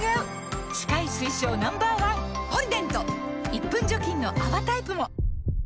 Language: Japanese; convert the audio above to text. １分除菌の泡タイプも！